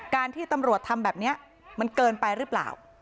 ที่ตำรวจทำแบบนี้มันเกินไปหรือเปล่า